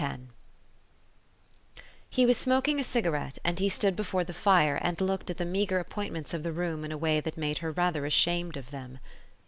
X He was smoking a cigarette and he stood before the fire and looked at the meagre appointments of the room in a way that made her rather ashamed of them.